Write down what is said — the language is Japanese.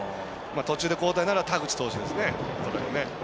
途中で交代なら田口投手ですね。